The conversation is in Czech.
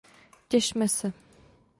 Těšme se!